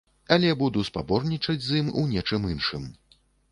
Але буду спаборнічаць з ім у нечым іншым.